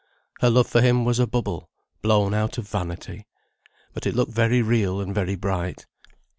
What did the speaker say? Her love for him was a bubble, blown out of vanity; but it looked very real and very bright.